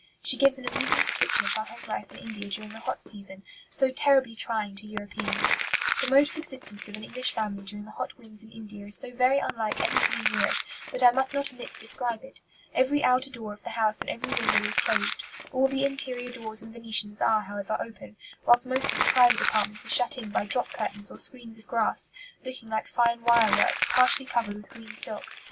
She gives an amusing description of her home life in India during the hot season, so terribly trying to Europeans: "The mode of existence of an English family during the hot winds in India is so very unlike anything in Europe that I must not omit to describe it. Every outer door of the house and every window is closed; all the interior doors and venetians are, however, open, whilst most of the private apartments are shut in by drop curtains or screens of grass, looking like fine wire work, partially covered with green silk.